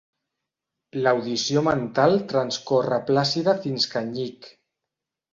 L'audició mental transcorre plàcida fins que nyic.